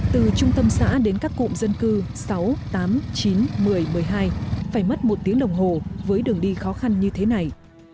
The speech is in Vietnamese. từ trung tâm xã đến các cụm dân cư sáu tám chín một mươi một mươi hai phải mất một tiếng đồng hồ với đường đi khó khăn như thế này